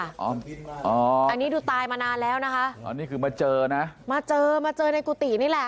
อันนี้ดูตายมานานแล้วนะคะอ๋อนี่คือมาเจอนะมาเจอมาเจอในกุฏินี่แหละ